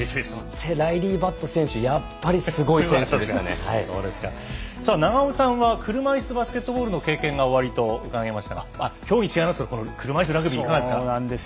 ライリー・バット選手永尾さんは、車いすバスケットボールの経験がおありと聞きましたが競技違いますが車いすラグビーいかがですか？